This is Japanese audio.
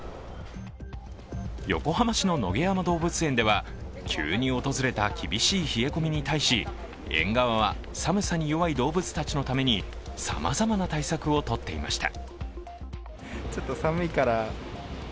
横浜市の野毛山動物園では急に訪れた厳しい冷え込みに対し園側は寒さに弱い動物たちのためにさまざまな対策をとっていました。